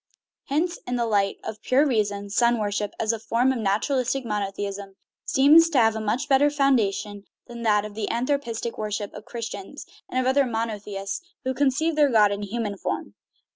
Hence in the light of pure reason, sun worship, as a form of nat uralistic monotheism, seems to have a much better foundation than the anthropistic worship of Christians and of other monotheists who conceive their god in human form.